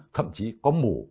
thậm chí có mũ